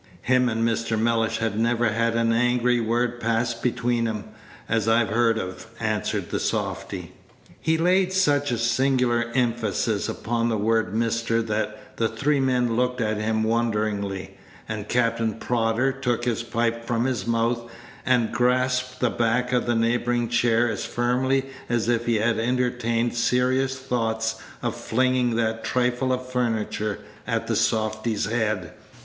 "Him and Mr. Mellish had never had an angry word pass between 'em, as I've heard of," answered the softy. He laid such a singular emphasis upon the word Mr. that the three men looked at him wonderingly, and Captain Prodder took his pipe from his mouth, and grasped the back of a neighboring chair as firmly as if he had entertained serious thoughts of flinging that trifle of furniture at the softy's head.